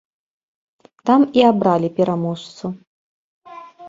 Там і абралі пераможцу.